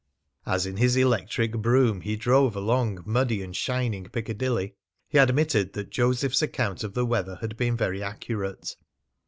As in his electric brougham he drove along muddy and shining Piccadilly, he admitted that Joseph's account of the weather had been very accurate.